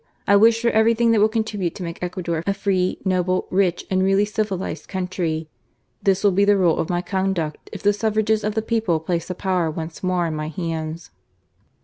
I wish for everything which will contribute to make Ecuador a free, noble, rich, and really civilized country. This will be the rule of my conduct if the suffrages of the people place the powet once more in my hands."